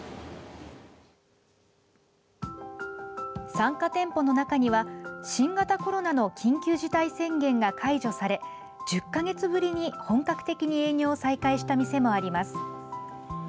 参加店舗の中には新型コロナの緊急事態宣言が解除され１０か月ぶりに、本格的に営業を再開した店もあります。